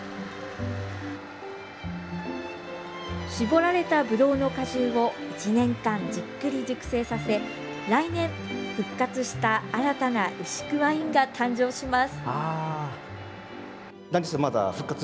搾られたぶどうの果汁を１年間、じっくり熟成させ来年、復活した新たな牛久ワインが誕生します。